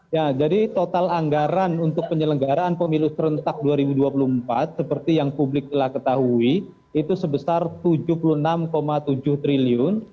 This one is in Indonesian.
ya jadi total anggaran untuk penyelenggaraan pemilu serentak dua ribu dua puluh empat seperti yang publik telah ketahui itu sebesar rp tujuh puluh enam tujuh triliun